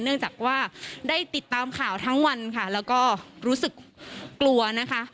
เนื่องจากว่าได้ติดตามข่าวทั้งวันค่ะแล้วก็รู้สึกกลัวนะคะ